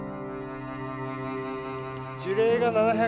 樹齢が７００年。